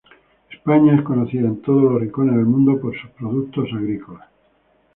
España es conocida en todos los rincones del mundo por sus productos agrícolas.